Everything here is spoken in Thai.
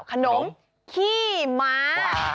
ขนมขี้ม้า